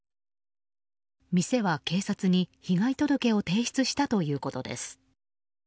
店は警察に被害届を提出したということです。